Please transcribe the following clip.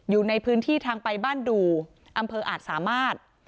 อยู่ในพื้นที่ทางไปบ้านดูอำเภออาจสามารถ